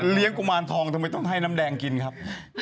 กุมารทองทำไมต้องให้น้ำแดงกินครับ